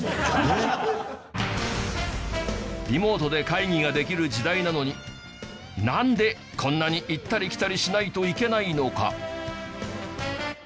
リモートで会議ができる時代なのになんでこんなに行ったり来たりしないといけないのか。